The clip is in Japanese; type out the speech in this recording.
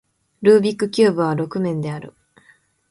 ルービックキューブは六面である